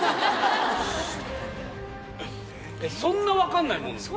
そんな分かんないもん？